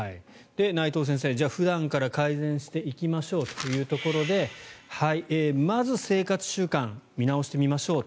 内藤先生じゃあ普段から改善していきましょうというところでまず生活習慣を見直してみましょう。